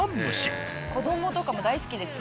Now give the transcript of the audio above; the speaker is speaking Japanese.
子どもとかも大好きです。